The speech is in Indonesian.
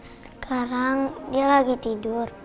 sekarang dia lagi tidur